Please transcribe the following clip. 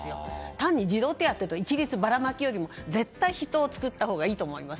単に児童手当を一律ばらまきよりも絶対、人を作ったほうがいいと思います。